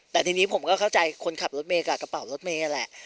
แต่ทีนี้ผมก็เข้าใจคนขับรถเมย์กับกระเป๋ารถเมย์แหละ